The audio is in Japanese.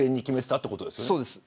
そうです。